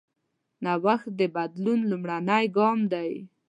نوښت د بدلون لومړنی ګام دی.